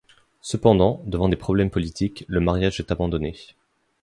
Cependant, devant des problèmes politiques, le mariage est abandonné.